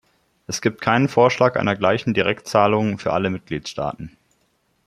Es gibt keinen Vorschlag einer gleichen Direktzahlung für alle Mitgliedstaaten.